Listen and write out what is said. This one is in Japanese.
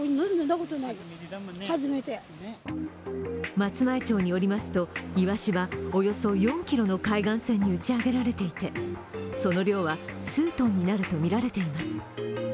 松前町によりますと、いわしはおよそ４ｋｍの海岸線に打ち上げられていてその量は数トンになるとみられています。